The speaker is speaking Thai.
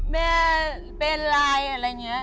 แม่เป็นไรอะไรอย่างนี้